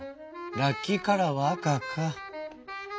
ラッキーカラーは赤」か。